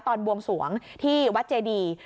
บวงสวงที่วัดเจดี